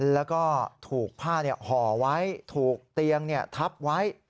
แล้วก็ถูกผ้าห่อไว้ถูกเตียงทับไว้